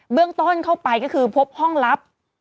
เรื่องต้นเข้าไปก็คือพบห้องลับ